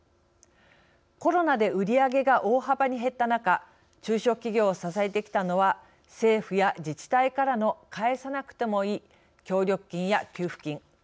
コロナで売り上げが大幅に減った中中小企業を支えてきたのは政府や自治体からの返さなくてもいい協力金や給付金。